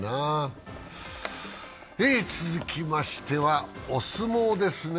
続きましてはお相撲ですね。